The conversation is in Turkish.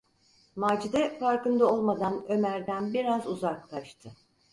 Macide farkında olmadan Ömer’den biraz uzaklaştı.